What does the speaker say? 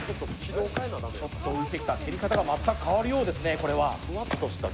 ちょっと浮いてきた蹴り方が全く変わるようですね。